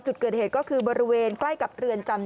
จุดเกิดเหตุก็คือบริเวณใกล้กับเรือนจำ